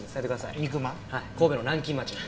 神戸の南京町の。